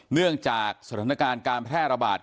เนื่องจากสถานการณ์การแพร่ระบาด